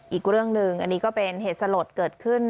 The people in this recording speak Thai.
อีกเรื่องหนึ่งอันนี้ก็เป็นเหตุสลดเกิดขึ้น